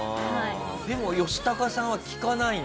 でもヨシタカさんは聞かないんだよね